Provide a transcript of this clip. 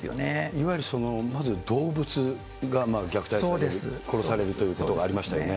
いわゆるその、まず動物が虐待される、殺されるということがありましたよね。